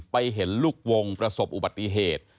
เห็นลูกวงประสบอุบัติเหตุ